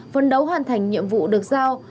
phân đấu hoàn thành nhiệm vụ được giao